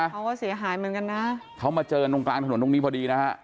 เขาก็เสียหายเหมือนกันนะเขามาเจอตรงกลางถนนตรงนี้พอดีนะฮะ